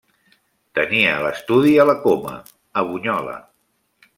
Tenia l'estudi a la Coma, a Bunyola.